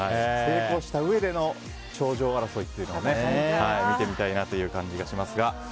成功したうえでの頂上争いを見てみたいなという感じがしますが。